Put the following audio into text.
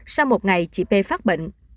sau một ngày chỉ p phát bệnh